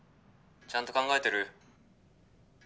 ちゃんと考えてる？